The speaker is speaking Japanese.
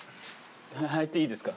入っていいですか？